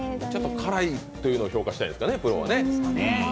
辛いっていうのを評価したいんですかね、プロはね。